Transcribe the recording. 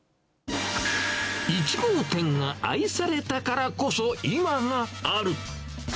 １号店が愛されたからこそ今がある。